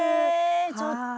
ちょっと。